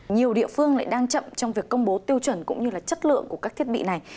nhiều địa phương lại đang chậm trong việc công bố tiêu chuẩn cũng như là chất lượng của các thiết bị này